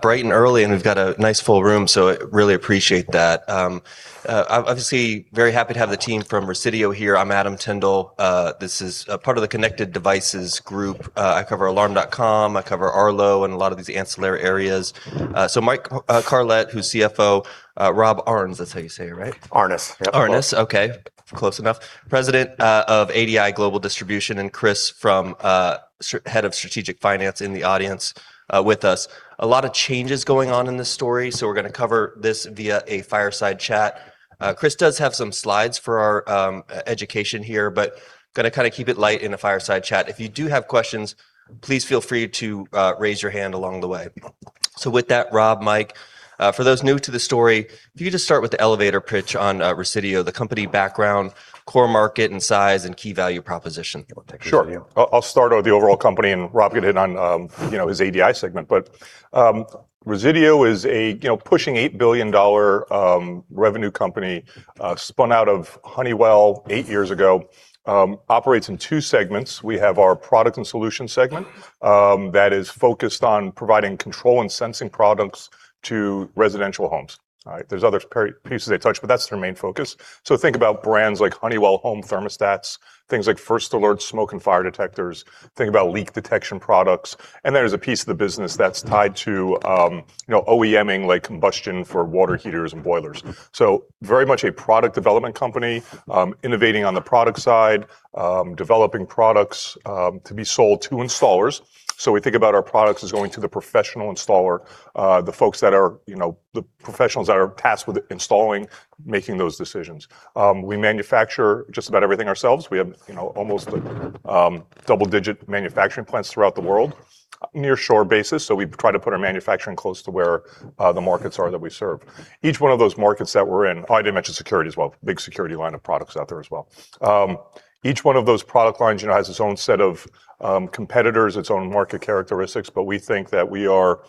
Bright and early, we've got a nice full room, so really appreciate that. I'm obviously very happy to have the team from Resideo here. I'm Adam Tindall. This is a part of the connected devices group. I cover Alarm.com, I cover Arlo, and a lot of these ancillary areas. Mike Carlet, who's CFO, Rob Aarnes, that's how you say it, right? Aarnes. Yeah. Aarnes, okay. Close enough. President of ADI Global Distribution, and Chris from Head of Strategic Finance in the audience with us. A lot of changes going on in this story, so we're gonna cover this via a fireside chat. Chris does have some slides for our education here, but gonna kinda keep it light in a fireside chat. If you do have questions, please feel free to raise your hand along the way. With that, Rob, Mike, for those new to the story, if you could just start with the elevator pitch on Resideo, the company background, core market and size, and key value proposition. Sure. I'll start with the overall company, and Rob can hit on, you know, his ADI segment. Resideo is a, you know, pushing $8 billion revenue company, spun out of Honeywell eight years ago. Operates in two segments. We have our Products and Solutions segment that is focused on providing control and sensing products to residential homes. All right. There's other pieces I touched, but that's their main focus. Think about brands like Honeywell Home thermostats, things like First Alert smoke and fire detectors. Think about leak detection products, and there's a piece of the business that's tied to, you know, OEMing like combustion for water heaters and boilers. Very much a product development company, innovating on the product side, developing products to be sold to installers. We think about our products as going to the professional installer, the folks that are, you know, the professionals that are tasked with installing, making those decisions. We manufacture just about everything ourselves. We have, you know, almost double-digit manufacturing plants throughout the world, near shore basis, so we try to put our manufacturing close to where the markets are that we serve. Each one of those markets that we're in, oh, I didn't mention security as well, big security line of products out there as well. Each one of those product lines, you know, has its own set of competitors, its own market characteristics, but we think that we are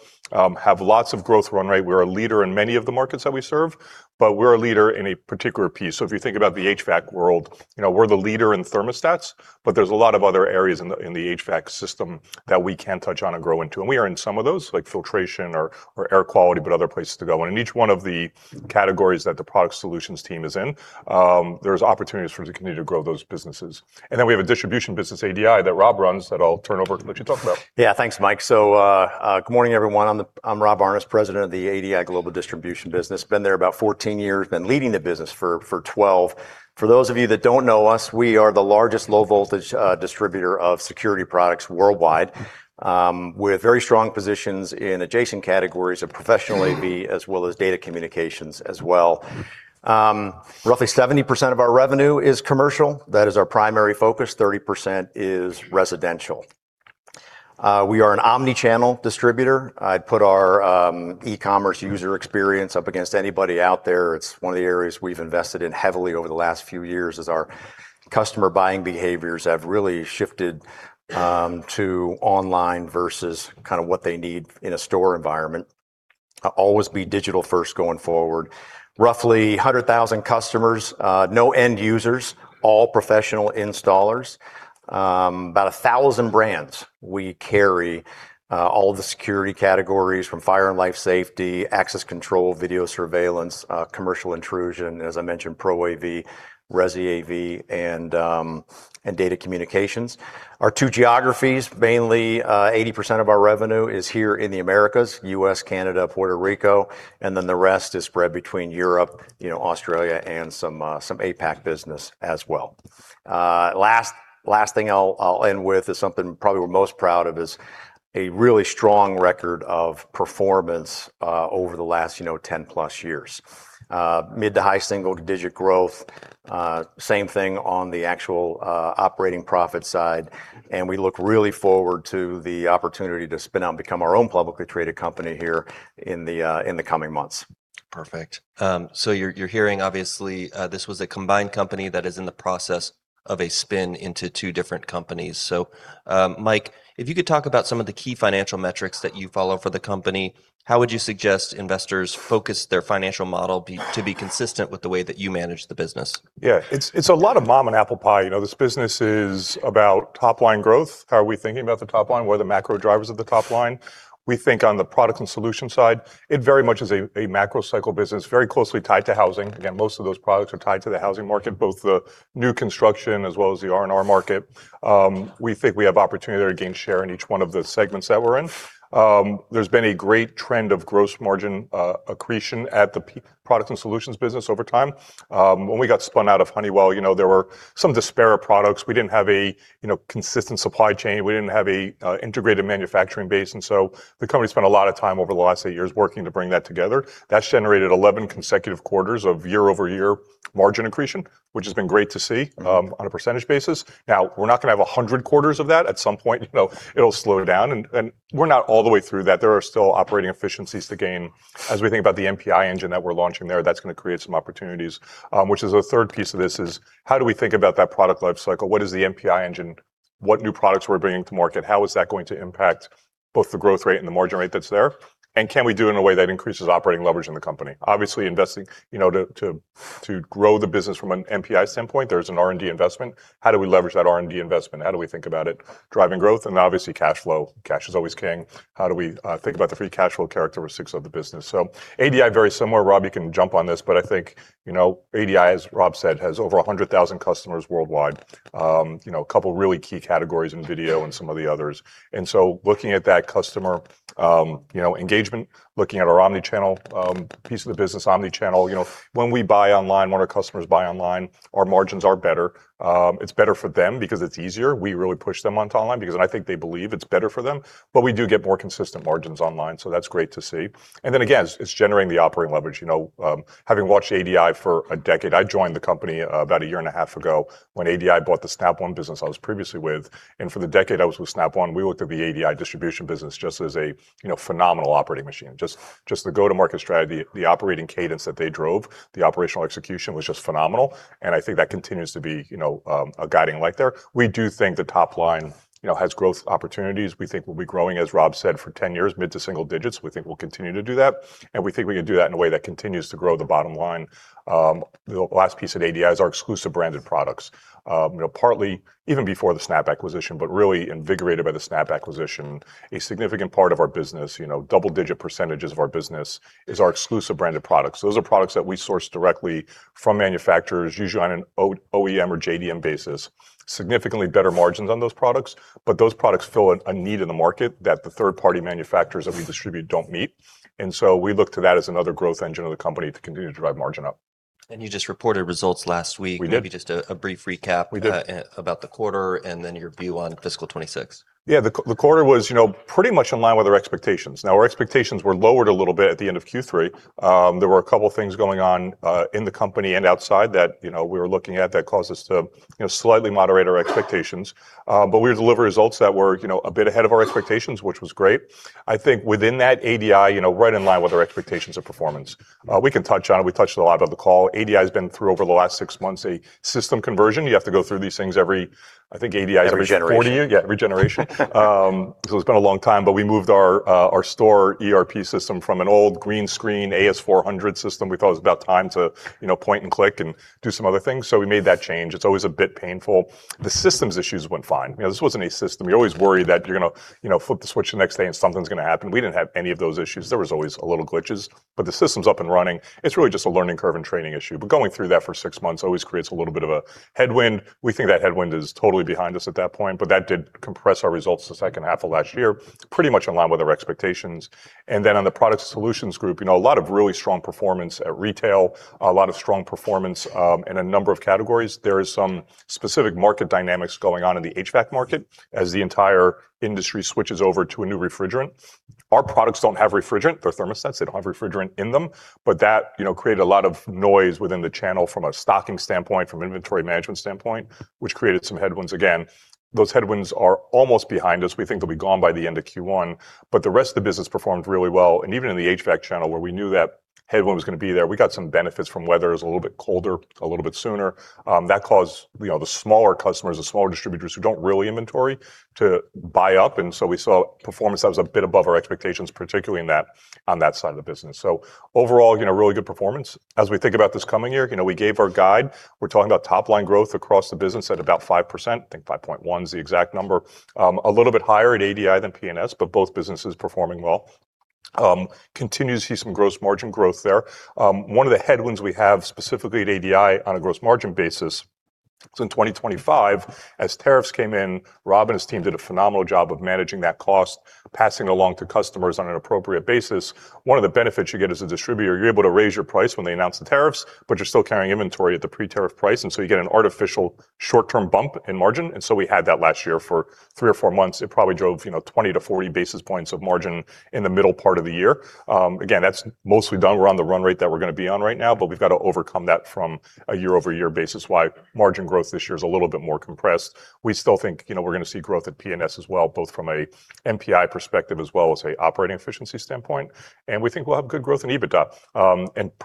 have lots of growth run, right? We're a leader in many of the markets that we serve, but we're a leader in a particular piece. If you think about the HVAC world, you know, we're the leader in thermostats, but there's a lot of other areas in the HVAC system that we can touch on and grow into. We are in some of those, like filtration or air quality, but other places to go. In each one of the categories that the Products and Solutions team is in, there's opportunities for, to continue to grow those businesses. Then we have a distribution business, ADI, that Rob runs that I'll turn over to let you talk about. Thanks Mike. Good morning everyone. I'm Rob Aarnes, President of the ADI Global Distribution business. Been there about 14 years, been leading the business for 12 years. For those of you that don't know us, we are the largest low voltage distributor of security products worldwide, with very strong positions in adjacent categories of professional AV as well as data communications as well. Roughly 70% of our revenue is commercial. That is our primary focus. 30% is residential. We are an omni-channel distributor. I'd put our e-commerce user experience up against anybody out there. It's one of the areas we've invested in heavily over the last few years as our customer buying behaviors have really shifted to online versus kinda what they need in a store environment. Always be digital first going forward. Roughly 100,000 customers, no end users, all professional installers. About 1,000 brands. We carry all the security categories from fire and life safety, access control, video surveillance, commercial intrusion, as I mentioned, ProAV, Resi AV, and data communications. Our two geographies, mainly, 80% of our revenue is here in the Americas, U.S., Canada, Puerto Rico, and then the rest is spread between Europe, you know, Australia, and some APAC business as well. Last thing I'll end with is something probably we're most proud of is a really strong record of performance, over the last, you know, 10+ years. mid to high single-digit growth, same thing on the actual operating profit side, and we look really forward to the opportunity to spin out and become our own publicly traded company here in the coming months. Perfect. You're hearing obviously, this was a combined company that is in the process of a spin into two different companies. Mike, if you could talk about some of the key financial metrics that you follow for the company, how would you suggest investors focus their financial model be, to be consistent with the way that you manage the business? It's a lot of mom and apple pie. You know, this business is about top line growth. How are we thinking about the top line? What are the macro drivers of the top line? We think on the Products and Solutions side, it very much is a macrocycle business, very closely tied to housing. Most of those products are tied to the housing market, both the new construction as well as the R&R market. We think we have opportunity to gain share in each one of the segments that we're in. There's been a great trend of gross margin accretion at the Products and Solutions business over time. When we got spun out of Honeywell, you know, there were some disparate products. We didn't have a consistent supply chain. We didn't have a integrated manufacturing base. The company spent a lot of time over the last eight years working to bring that together. That's generated 11 consecutive quarters of year-over-year margin accretion, which has been great to see on a percentage basis. We're not gonna have 100 quarters of that. At some point, you know, it'll slow down and we're not all the way through that. There are still operating efficiencies to gain. As we think about the NPI engine that we're launching there, that's gonna create some opportunities, which is a third piece of this is how do we think about that product life cycle? What is the NPI engine? What new products we're bringing to market? How is that going to impact both the growth rate and the margin rate that's there? Can we do it in a way that increases operating leverage in the company? Obviously, investing, you know, to grow the business from an NPI standpoint, there's an R&D investment. How do we leverage that R&D investment? How do we think about it driving growth? Obviously, cash flow. Cash is always king. How do we think about the free cash flow characteristics of the business? ADI, very similar. Rob, you can jump on this, but I think, you know, ADI, as Rob said, has over 100,000 customers worldwide. You know, a couple really key categories in video and some of the others. Looking at that customer, you know, engagement, looking at our omni-channel piece of the business. Omni-channel, you know, when we buy online, when our customers buy online, our margins are better. It's better for them because it's easier. We really push them onto online because I think they believe it's better for them. We do get more consistent margins online, so that's great to see. Again, it's generating the operating leverage. You know, having watched ADI for a decade, I joined the company about a year and a half ago when ADI bought the Snap One business I was previously with. For the decade I was with Snap One, we looked at the ADI distribution business just as a, you know, phenomenal operating machine. Just the go-to-market strategy, the operating cadence that they drove, the operational execution was just phenomenal, and I think that continues to be, you know, a guiding light there. We do think the top line, you know, has growth opportunities. We think we'll be growing, as Rob said, for 10 years, mid to single digits. We think we'll continue to do that, and we think we can do that in a way that continues to grow the bottom line. The last piece at ADI is our exclusive branded products. You know, partly even before the Snap acquisition, but really invigorated by the Snap acquisition, a significant part of our business, you know, double-digit percentage of our business is our exclusive branded products. Those are products that we source directly from manufacturers, usually on an OEM or JDM basis. Significantly better margins on those products, those products fill a need in the market that the third-party manufacturers that we distribute don't meet. We look to that as another growth engine of the company to continue to drive margin up. You just reported results last week. We did. Maybe just a brief recap. We did.... about the quarter and then your view on fiscal 2026. Yeah. The quarter was, you know, pretty much in line with our expectations. Our expectations were lowered a little bit at the end of Q3. There were a couple things going on in the company and outside that, you know, we were looking at that caused us to, you know, slightly moderate our expectations. We delivered results that were, you know, a bit ahead of our expectations, which was great. I think within that, ADI, you know, right in line with our expectations of performance. We can touch on it. We touched on a lot of the call. ADI's been through, over the last six months, a system conversion. You have to go through these things every, I think ADI. Every generation. ... 40 a year. Yeah, every generation. it's been a long time, but we moved our store ERP system from an old green screen AS400 system. We thought it was about time to, you know, point and click and do some other things. We made that change. It's always a bit painful. The systems issues went fine. You know, this wasn't a system. You always worry that you're gonna, you know, flip the switch the next day and something's gonna happen. We didn't have any of those issues. There was always a little glitches, but the system's up and running. It's really just a learning curve and training issue. Going through that for 6 months always creates a little bit of a headwind. We think that headwind is totally behind us at that point, that did compress our results the 2nd half of last year. It's pretty much in line with our expectations. On the Products and Solutions group, you know, a lot of really strong performance at retail, a lot of strong performance in a number of categories. There is some specific market dynamics going on in the HVAC market as the entire industry switches over to a new refrigerant. Our products don't have refrigerant. They're thermostats. They don't have refrigerant in them. That, you know, created a lot of noise within the channel from a stocking standpoint, from inventory management standpoint, which created some headwinds again. Those headwinds are almost behind us. We think they'll be gone by the end of Q1, but the rest of the business performed really well. Even in the HVAC channel, where we knew that headwind was gonna be there, we got some benefits from weather. It was a little bit colder a little bit sooner. That caused, you know, the smaller customers, the smaller distributors who don't really inventory to buy up. We saw performance that was a bit above our expectations, particularly in that, on that side of the business. Overall, you know, really good performance. As we think about this coming year, you know, we gave our guide. We're talking about top line growth across the business at about 5%. I think 5.1% is the exact number. A little bit higher at ADI than PNS, but both businesses performing well. Continue to see some gross margin growth there. One of the headwinds we have specifically at ADI on a gross margin basis is in 2025, as tariffs came in, Rob and his team did a phenomenal job of managing that cost, passing along to customers on an appropriate basis. One of the benefits you get as a distributor, you're able to raise your price when they announce the tariffs, but you're still carrying inventory at the pre-tariff price, and so you get an artificial short-term bump in margin. We had that last year for 3 or 4 months. It probably drove, you know, 20-40 basis points of margin in the middle part of the year. Again, that's mostly done. We're on the run rate that we're gonna be on right now, but we've got to overcome that from a year-over-year basis, why margin growth this year is a little bit more compressed. We still think, you know, we're gonna see growth at PNS as well, both from a NPI perspective as well as a operating efficiency standpoint. We think we'll have good growth in EBITDA.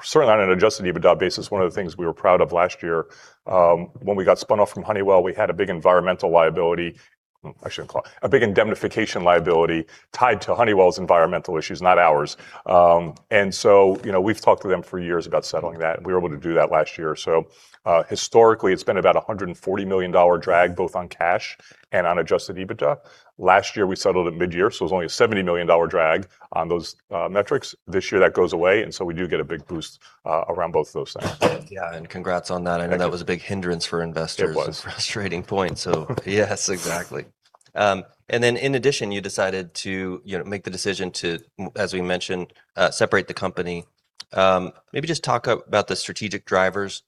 Certainly on an Adjusted EBITDA basis, one of the things we were proud of last year, when we got spun off from Honeywell, we had a big environmental liability. A big indemnification liability tied to Honeywell's environmental issues, not ours. You know, we've talked to them for years about settling that, and we were able to do that last year. Historically, it's been about a $140 million drag, both on cash and on Adjusted EBITDA. Last year, we settled at midyear, so it was only a $70 million drag on those metrics. This year, that goes away. We do get a big boost around both those things. Yeah, congrats on that. Thank you. I know that was a big hindrance for investors. It was. A frustrating point. Yes, exactly. In addition, you decided to, you know, make the decision to, as we mentioned, separate the company. Maybe just talk about the strategic drivers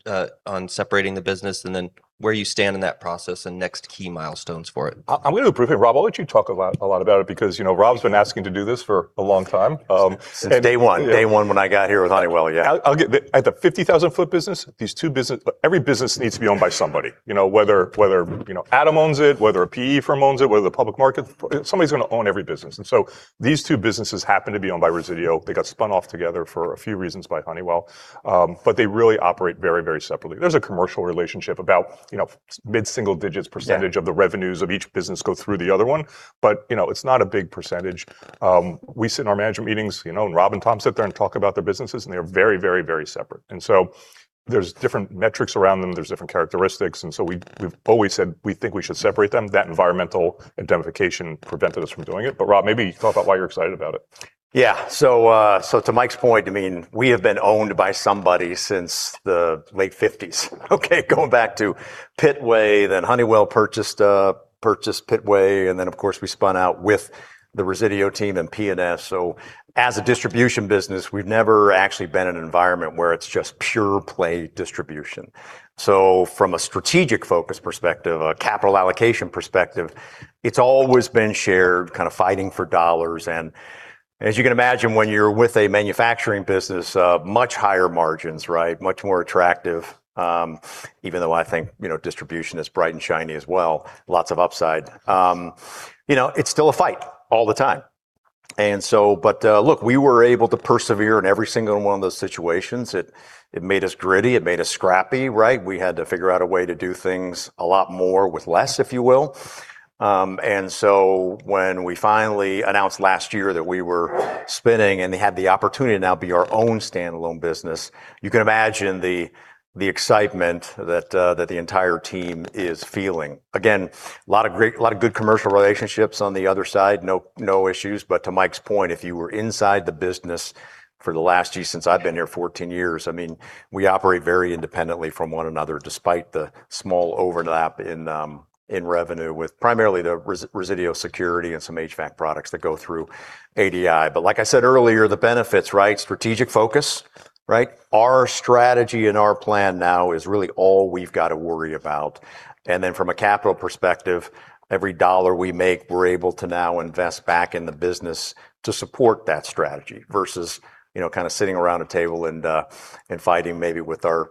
on separating the business and then where you stand in that process and next key milestones for it. I'm going to briefly, Rob, I'll let you talk a lot about it because, you know, Rob's been asking to do this for a long time. Since day one. Yeah. Day one when I got here with Honeywell, yeah. I'll give at the 50,000-foot business, every business needs to be owned by somebody, you know, whether, you know, Adam owns it, whether a PE firm owns it, whether the public market, somebody's gonna own every business. These two businesses happen to be owned by Resideo. They got spun off together for a few reasons by Honeywell. They really operate very, very separately. There's a commercial relationship about, you know, mid-single digits percentage.of the revenues of each business go through the other one. You know, it's not a big percentage. We sit in our management meetings, you know, and Rob and Tom sit there and talk about their businesses, and they're very, very, very separate. There's different metrics around them, there's different characteristics, and so we've always said we think we should separate them. That environmental identification prevented us from doing it. Rob, maybe talk about why you're excited about it. Yeah. To Mike's point, I mean, we have been owned by somebody since the late 1950s, okay? Going back to Pittway, then Honeywell purchased Pittway, and then of course we spun out with the Resideo team and P&S. As a distribution business, we've never actually been in an environment where it's just pure play distribution. From a strategic focus perspective, a capital allocation perspective, it's always been shared, kind of fighting for dollars. As you can imagine, when you're with a manufacturing business, much higher margins, right? Much more attractive, even though I think, you know, distribution is bright and shiny as well, lots of upside. You know, it's still a fight all the time. Look, we were able to persevere in every single one of those situations. It made us gritty, it made us scrappy, right? We had to figure out a way to do things a lot more with less, if you will. When we finally announced last year that we were spinning and they had the opportunity to now be our own standalone business, you can imagine the excitement the entire team is feeling. Again, a lot of good commercial relationships on the other side, no issues. To Mike's point, if you were inside the business since I've been here 14 years, I mean, we operate very independently from one another, despite the small overlap in revenue with primarily the Resideo security and some HVAC products that go through ADI. Like I said earlier, the benefits, right? Strategic focus, right? Our strategy and our plan now is really all we've got to worry about. From a capital perspective, every dollar we make, we're able to now invest back in the business to support that strategy versus, you know, kind of sitting around a table and fighting maybe with our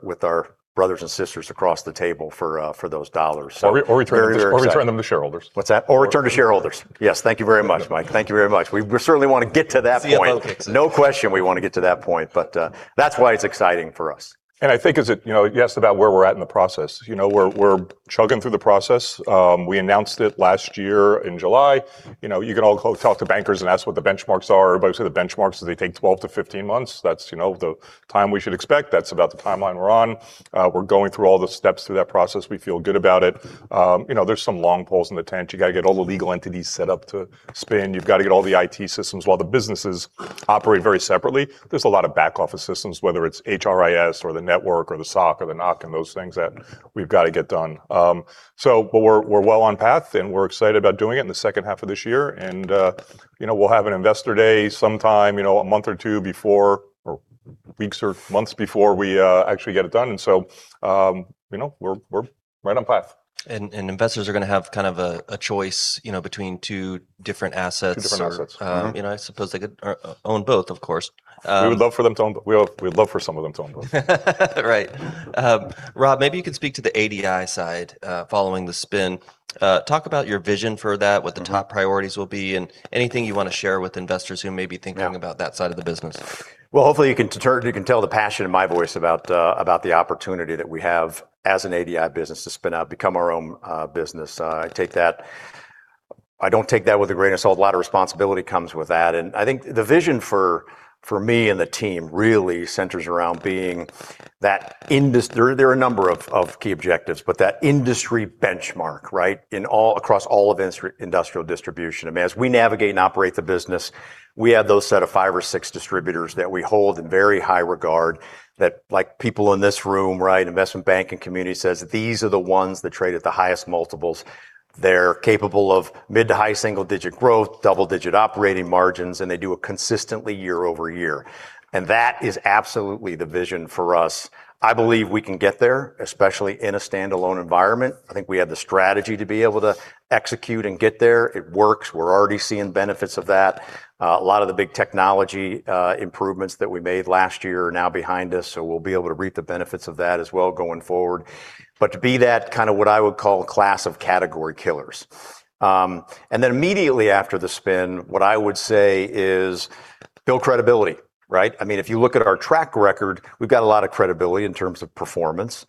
brothers and sisters across the table for those dollar, very, very excited. Return them to shareholders. What's that? Return to shareholders. Yes. Thank you very much, Mike. Thank you very much. We certainly want to get to that point. CFO focus. No question we want to get to that point, but that's why it's exciting for us. I think as it, you know, you asked about where we're at in the process. You know, we're chugging through the process. We announced it last year in July. You know, you can all go talk to bankers and ask what the benchmarks are. Everybody say the benchmarks is they take 12-15 months. That's, you know, the time we should expect. That's about the timeline we're on. We're going through all the steps to that process. We feel good about it. You know, there's some long poles in the tent. You got to get all the legal entities set up to spin. You've got to get all the IT systems. While the businesses operate very separately, there's a lot of back office systems, whether it's HRIS or the network or the SOC or the NOC and those things that we've got to get done. We're, we're well on path, and we're excited about doing it in the second half of this year. You know, we'll have an investor day sometime, you know, a month or two before, or weeks or months before we actually get it done. You know, we're right on path. Investors are gonna have kind of a choice, you know, between two different assets. Two different assets. Mm-hmm. you know, I suppose they could own both, of course. We would love for them to own both. We'd love for some of them to own both. Right. Rob, maybe you could speak to the ADI side, following the spin. Talk about your vision for that, what the top priorities will be, and anything you wanna share with investors who may be thinking about that side of the business. Well, hopefully you can tell the passion in my voice about the opportunity that we have as an ADI business to spin out, become our own business. I don't take that with a grain of salt. A lot of responsibility comes with that, and I think the vision for me and the team really centers around being that industry benchmark. There are a number of key objectives, but that industry benchmark. In all, across all of industrial distribution. I mean, as we navigate and operate the business, we have those set of five or six distributors that we hold in very high regard that like people in this room, right, investment banking community says these are the ones that trade at the highest multiples. They're capable of mid to high single-digit growth, double-digit operating margins, and they do it consistently year-over-year. That is absolutely the vision for us. I believe we can get there, especially in a standalone environment. I think we have the strategy to be able to execute and get there. It works. We're already seeing benefits of that. A lot of the big technology improvements that we made last year are now behind us, so we'll be able to reap the benefits of that as well going forward. To be that kind of what I would call class of category killers. Immediately after the spin, what I would say is build credibility, right? I mean, if you look at our track record, we've got a lot of credibility in terms of performance,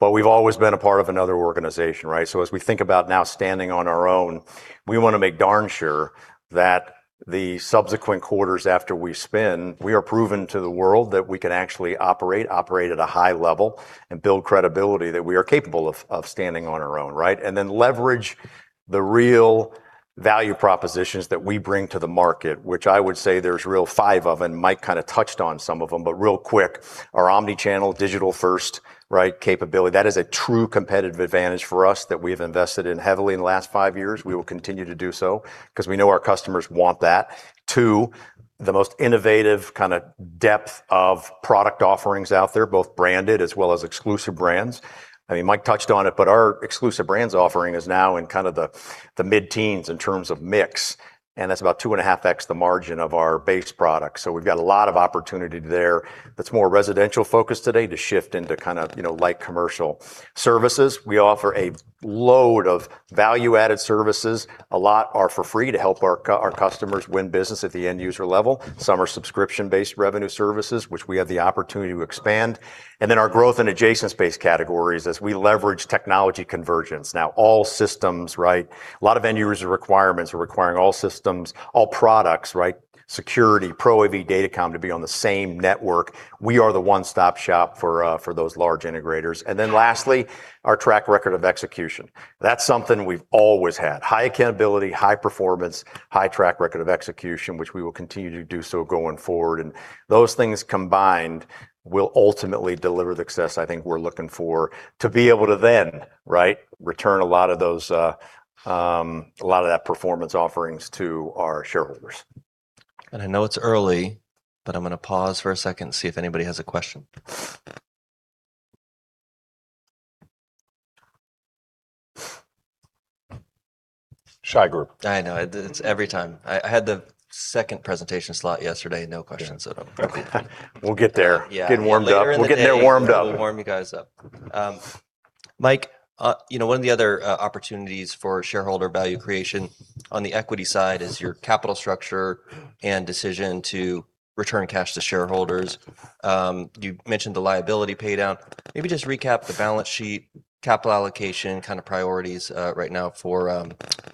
we've always been a part of another organization, right? As we think about now standing on our own, we wanna make darn sure that the subsequent quarters after we spin, we are proven to the world that we can actually operate at a high level and build credibility that we are capable of standing on our own, right? Then leverage the real-Value propositions that we bring to the market, which I would say there's real five of, and Mike kind of touched on some of them, but real quick, our omni-channel digital first, right, capability, that is a true competitive advantage for us that we have invested in heavily in the last five years. We will continue to do so because we know our customers want that. Two, the most innovative kind of depth of product offerings out there, both branded as well as Exclusive Brands. I mean, Mike touched on it, but our Exclusive Brands offering is now in kind of the mid-teens in terms of mix, and that's about 2.5x the margin of our base product. We've got a lot of opportunity there that's more residential-focused today to shift into kind of, you know, light commercial services. We offer a load of value-added services. A lot are for free to help our customers win business at the end user level. Some are subscription-based revenue services, which we have the opportunity to expand. Our growth in adjacent space categories as we leverage technology convergence. All systems, right? A lot of end user requirements are requiring all systems, all products, right, security, ProAV, Datacom to be on the same network. We are the one-stop shop for those large integrators. Lastly, our track record of execution. That's something we've always had. High accountability, high performance, high track record of execution, which we will continue to do so going forward. Those things combined will ultimately deliver the success I think we're looking for to be able to then, right, return a lot of those, a lot of that performance offerings to our shareholders. I know it's early, but I'm gonna pause for a second, see if anybody has a question. Shy group. I know. It's every time. I had the second presentation slot yesterday, no questions at all. Yeah. We'll get there. Yeah. Getting warmed up. Later in the day. We're getting there warmed up.... we'll warm you guys up. Mike, you know, one of the other opportunities for shareholder value creation on the equity side is your capital structure and decision to return cash to shareholders. You mentioned the liability pay down. Maybe just recap the balance sheet, capital allocation, kind of priorities right now for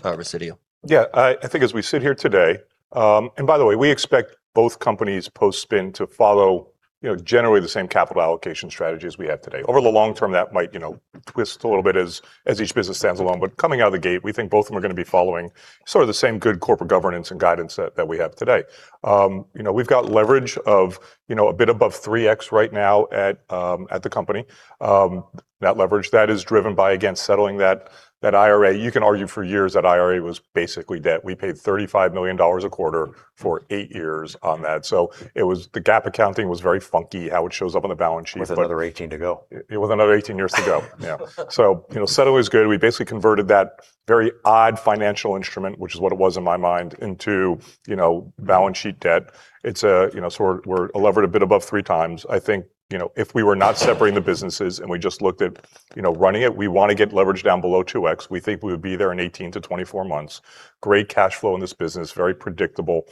Resideo. Yeah. I think as we sit here today. By the way, we expect both companies post-spin to follow, you know, generally the same capital allocation strategy as we have today. Over the long term, that might, you know, twist a little bit as each business stands alone. Coming out of the gate, we think both of them are gonna be following sort of the same good corporate governance and guidance that we have today. You know, we've got leverage of, you know, a bit above 3x right now at the company. That leverage is driven by, again, settling that IRA. You can argue for years that IRA was basically debt. We paid $35 million a quarter for 8 years on that. it was, the GAAP accounting was very funky, how it shows up on the balance sheet. With another 18 years to go. With another 18 years to go. Yeah. You know, settle is good. We basically converted that very odd financial instrument, which is what it was in my mind, into, you know, balance sheet debt. It's, you know, so we're levered a bit above 3x. I think, you know, if we were not separating the businesses and we just looked at, you know, running it, we wanna get leverage down below 2x. We think we would be there in 18-24 months. Great cash flow in this business, very predictable.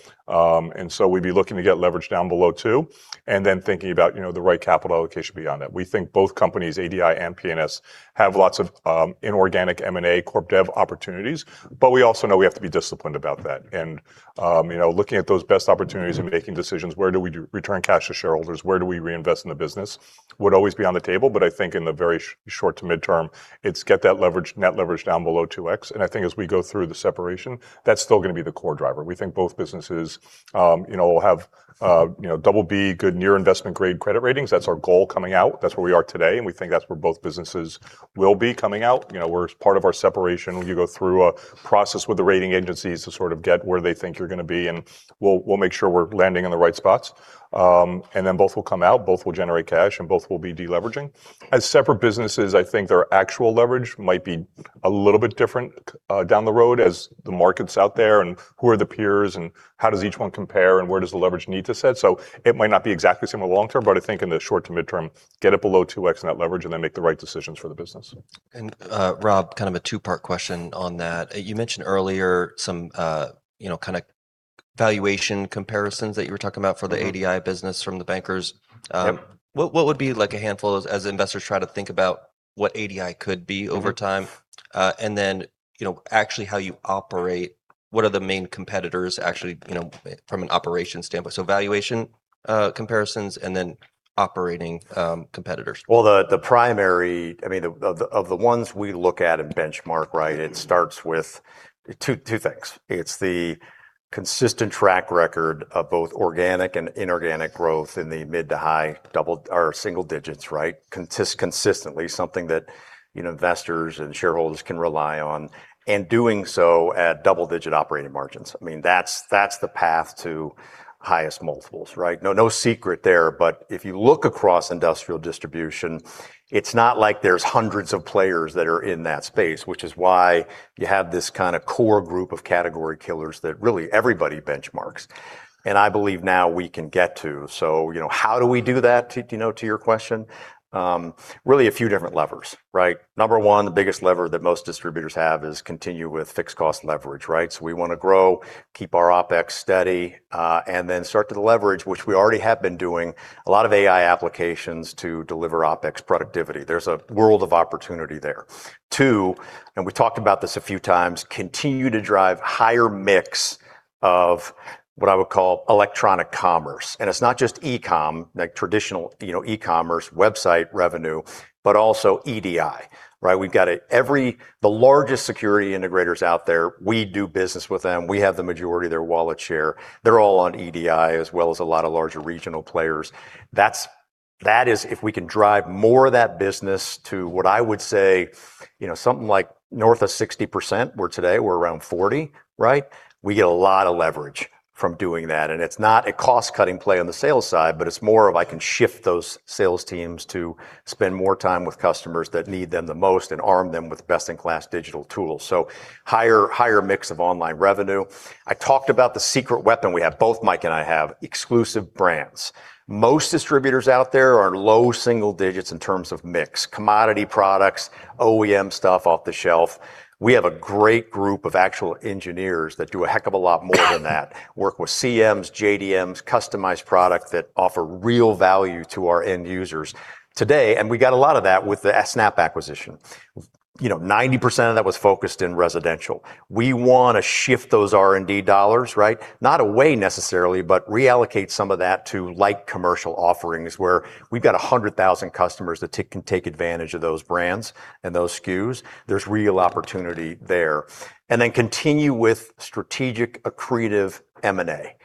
We'd be looking to get leverage down below 2, and then thinking about, you know, the right capital allocation beyond that. We think both companies, ADI and PNS, have lots of inorganic M&A corp dev opportunities. We also know we have to be disciplined about that. You know, looking at those best opportunities and making decisions, where do we return cash to shareholders? Where do we reinvest in the business? Would always be on the table, but I think in the very short to midterm, it's get that leverage, net leverage down below 2x. I think as we go through the separation, that's still gonna be the core driver. We think both businesses, you know, will have, you know, BB, good near investment grade credit ratings. That's our goal coming out. That's where we are today, and we think that's where both businesses will be coming out. You know, as part of our separation, you go through a process with the rating agencies to sort of get where they think you're gonna be, and we'll make sure we're landing in the right spots. Both will come out, both will generate cash, and both will be de-leveraging. As separate businesses, I think their actual leverage might be a little bit different, down the road as the market's out there, and who are the peers, and how does each one compare, and where does the leverage need to set? It might not be exactly the same in the long term, but I think in the short to midterm, get it below 2x net leverage and then make the right decisions for the business. Rob, kind of a two-part question on that. You mentioned earlier some, you know, kind of valuation comparisons that you were talking about for the ADI business from the bankers. Yep. What would be a handful as investors try to think about what ADI could be over time? How you operate, what are the main competitors from an operations standpoint? Valuation, comparisons operating competitors. Well, the primary, I mean, of the ones we look at and benchmark, right, it starts with two things. It's the consistent track record of both organic and inorganic growth in the mid to high double or single digits, right? consistently something that, you know, investors and shareholders can rely on and doing so at double-digit operating margins. I mean, that's the path to highest multiples, right? No secret there. If you look across industrial distribution, it's not like there's hundreds of players that are in that space, which is why you have this kind of core group of category killers that really everybody benchmarks. I believe now we can get to. You know, how do we do that, to, you know, to your question? Really a few different levers, right? Number 1, the biggest lever that most distributors have is continue with fixed cost leverage, right? We wanna grow, keep our OpEx steady, and then start to leverage, which we already have been doing a lot of AI applications to deliver OpEx productivity. There's a world of opportunity there. Two, we've talked about this a few times, continue to drive higher mix of what I would call electronic commerce. It's not just e-com, like traditional, you know, e-commerce website revenue but also EDI, right? We've got it. The largest security integrators out there, we do business with them. We have the majority of their wallet share. They're all on EDI as well as a lot of larger regional players. That is if we can drive more of that business to what I would say, you know, something like north of 60%, we're today, we're around 40%, right? We get a lot of leverage from doing that. It's not a cost-cutting play on the sales side, but it's more of I can shift those sales teams to spend more time with customers that need them the most and arm them with best-in-class digital tools. Higher, higher mix of online revenue. I talked about the secret weapon we have, both Mike and I have, Exclusive Brands. Most distributors out there are low single digits in terms of mix. Commodity products, OEM stuff off the shelf. We have a great group of actual engineers that do a heck of a lot more than that, work with CMs, JDMs, customized product that offer real value to our end users today. We got a lot of that with the Snap acquisition. You know, 90% of that was focused in residential. We wanna shift those R&D dollars, right? Not away necessarily, but reallocate some of that to light commercial offerings where we've got 100,000 customers that can take advantage of those brands and those SKUs. There's real opportunity there. Then continue with strategic accretive M&A,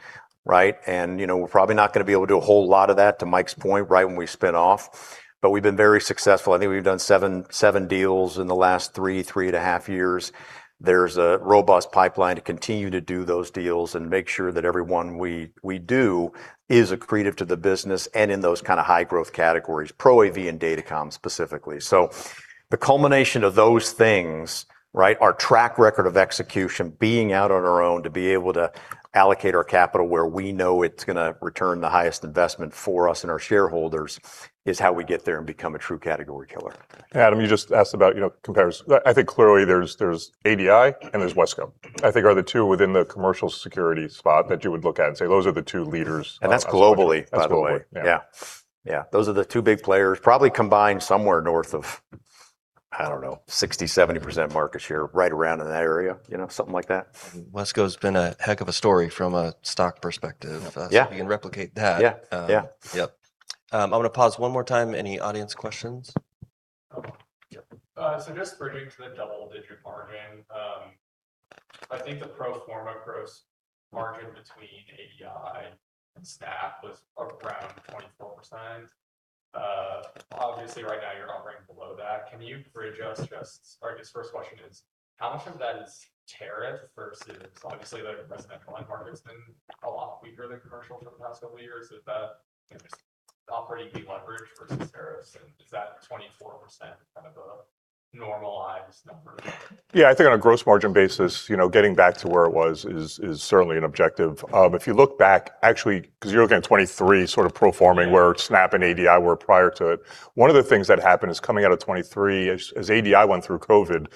right? You know, we're probably not gonna be able to do a whole lot of that, to Mike's point, right when we spin off, but we've been very successful. I think we've done seven deals in the last 3-3.5 years. There's a robust pipeline to continue to do those deals and make sure that every one we do is accretive to the business and in those kind of high growth categories, ProAV and Datacom specifically. The culmination of those things, right, our track record of execution, being out on our own to be able to allocate our capital where we know it's gonna return the highest investment for us and our shareholders, is how we get there and become a true category killer. Adam, you just asked about, you know, comparison. I think clearly there's ADI and there's Wesco, I think are the two within the commercial security spot that you would look at and say, those are the two leaders. That's globally, by the way. That's globally. Yeah. Yeah. Yeah. Those are the two big players, probably combined somewhere north of, I don't know, 60%-70% market share, right around in that area. You know, something like that. WESCO's been a heck of a story from a stock perspective. Yeah. If we can replicate that. Yeah. Yeah. Yep. I'm gonna pause one more time. Any audience questions? Just bringing to the double-digit margin, I think the pro forma gross margin between ADI and Snap was around 24%. Obviously right now you're operating below that. Can you readjust this first question is, how much of that is tariff versus obviously the residential end market's been a lot weaker than commercial for the past couple of years. Is that, you know, just operating leverage versus tariffs, and is that 24% kind of a normalized number? Yeah, I think on a gross margin basis, you know, getting back to where it was is certainly an objective. If you look back, actually, 'cause you're looking at 2023 sort of pro forming where Snap and ADI were prior to it. One of the things that happened is coming out of 2023, as ADI went through COVID,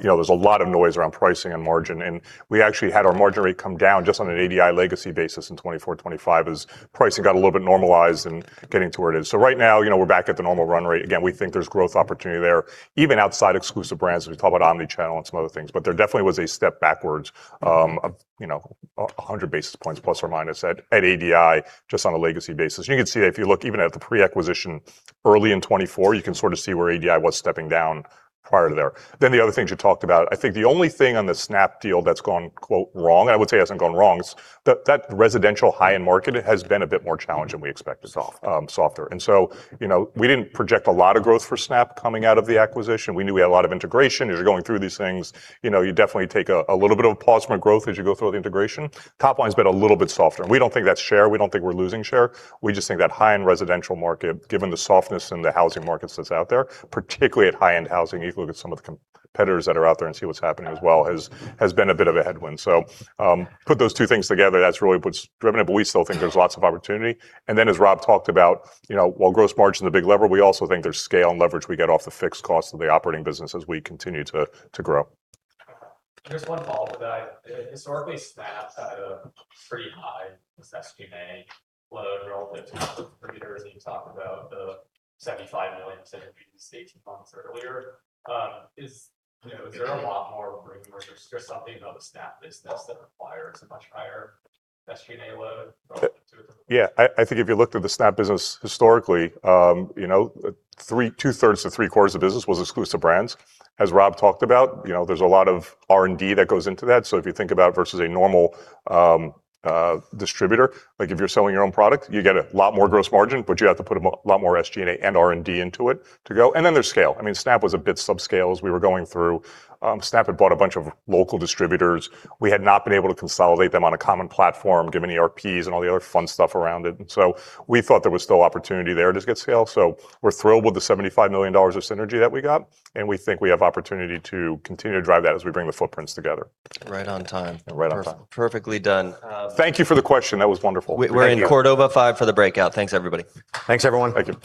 you know, there's a lot of noise around pricing and margin, and we actually had our margin rate come down just on an ADI legacy basis in 2024, 2025 as pricing got a little bit normalized and getting to where it is. Right now, you know, we're back at the normal run rate. Again, we think there's growth opportunity there, even outside Exclusive Brands, as we talk about omni-channel and some other things. There definitely was a step backwards, of, you know, 100 basis points plus or minus at ADI just on a legacy basis. You can see that if you look even at the pre-acquisition early in 2024, you can sort of see where ADI was stepping down prior to there. The other things you talked about, I think the only thing on the Snap deal that's gone, quote, "wrong," I would say hasn't gone wrong, is that residential high-end market has been a bit more challenging than we expected. It's soft. softer. You know, we didn't project a lot of growth for Snap coming out of the acquisition. We knew we had a lot of integration. As you're going through these things, you know, you definitely take a little bit of a pause from our growth as you go through the integration. Top line's been a little bit softer, and we don't think that's share. We don't think we're losing share. We just think that high-end residential market, given the softness in the housing markets that's out there, particularly at high-end housing, you can look at some of the competitors that are out there and see what's happening as well, has been a bit of a headwind. Put those two things together, that's really what's driven it, but we still think there's lots of opportunity. As Rob talked about, you know, while gross margin's a big lever, we also think there's scale and leverage we get off the fixed cost of the operating business as we continue to grow. Just one follow-up with that. Historically, Snap's had a pretty high SG&A load relative to competitors. You talked about the $75 million synergies 18 months earlier. You know, is there a lot more room, or is there something about the Snap business that requires a much higher SG&A load relative to- I think if you looked at the Snap business historically, you know, 3, 2/3-3/4 of business was Exclusive Brands. As Rob talked about, you know, there's a lot of R&D that goes into that. If you think about versus a normal distributor, like if you're selling your own product, you get a lot more gross margin, but you have to put a lot more SG&A and R&D into it to go. Then there's scale. I mean, Snap was a bit subscale as we were going through. Snap had bought a bunch of local distributors. We had not been able to consolidate them on a common platform given ERPs and all the other fun stuff around it. We thought there was still opportunity there to get scale. We're thrilled with the $75 million of synergy that we got, and we think we have opportunity to continue to drive that as we bring the footprints together. Right on time. Right on time. Perfectly done. Thank you for the question. That was wonderful. Thank you. We're in Cordova 5 for the breakout. Thanks, everybody. Thanks, everyone. Thank you.